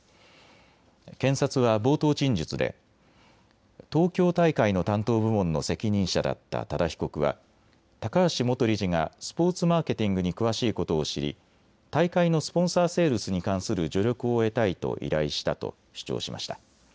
検察は冒頭陳述で東京大会の担当部門の責任者だった多田被告は高橋元理事がスポーツマーケティングに詳しいことを知り大会のスポンサーセールスに関する助力を得たいと依頼したと主張しました。